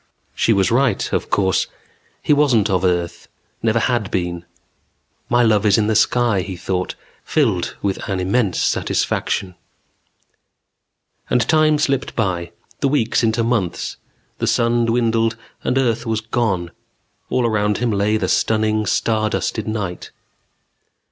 _" She was right, of course. He wasn't of earth. Never had been. My love is in the sky, he thought, filled with an immense satisfaction. And time slipped by, the weeks into months; the sun dwindled and earth was gone. All around him lay the stunning star dusted night.